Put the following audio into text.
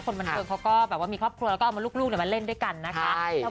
คนบันเทิงเขาก็แบบว่ามีครอบครัวแล้วก็เอามาลูกมาเล่นด้วยกันนะคะ